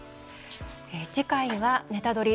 次回は「ネタドリ！」